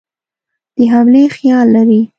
د حملې خیال لري.